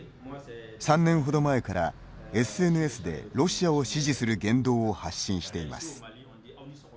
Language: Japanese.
３年ほど前からＳＮＳでロシアを支持する言動を発信しています。